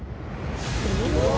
うわ！